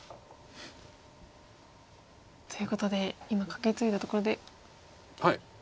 ということで今カケツイだところで。